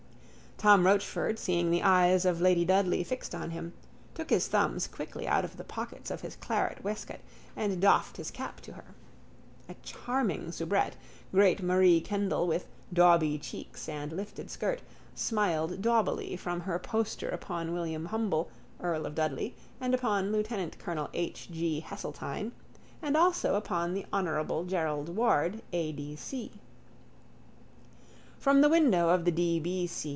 Tom Rochford, seeing the eyes of lady Dudley fixed on him, took his thumbs quickly out of the pockets of his claret waistcoat and doffed his cap to her. A charming soubrette, great Marie Kendall, with dauby cheeks and lifted skirt smiled daubily from her poster upon William Humble, earl of Dudley, and upon lieutenantcolonel H. G. Heseltine, and also upon the honourable Gerald Ward A. D. C. From the window of the D. B. C.